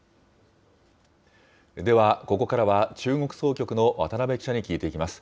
では、ここからは中国総局の渡辺記者に聞いていきます。